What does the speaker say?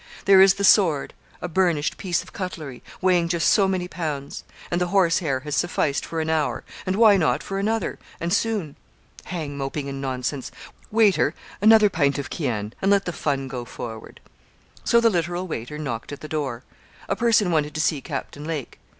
There is the sword, a burnished piece of cutlery, weighing just so many pounds; and the horsehair has sufficed for an hour, and why not for another and soon? Hang moping and nonsense! Waiter, another pint of Chian; and let the fun go forward. So the literal waiter knocked at the door. 'A person wanted to see Captain Lake.